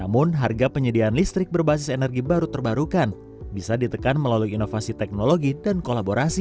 namun harga penyediaan listrik berbasis energi baru terbarukan bisa ditekan melalui inovasi teknologi dan kolaborasi